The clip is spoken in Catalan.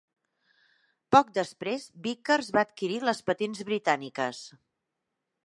Poc després, Vickers va adquirir les patents britàniques.